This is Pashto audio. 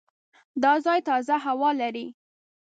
دا ځای تازه هوا لري.